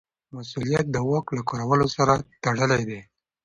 مسوولیت د واک له کارولو سره تړلی دی.